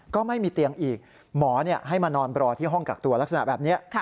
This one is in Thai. ก็ไม่มีเตียงอีกหมอให้มานอนรอที่ห้องกักตัวลักษณะแบบนี้